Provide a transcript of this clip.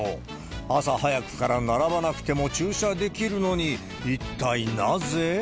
朝早くから並ばなくても駐車できるのに、一体なぜ？